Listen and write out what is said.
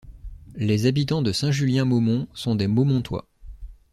Les habitants de Saint-Julien-Maumont sont des Maumontois.